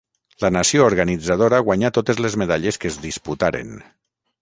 La nació organitzadora guanyà totes les medalles que es disputaren.